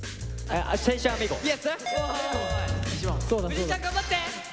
藤井ちゃん頑張って！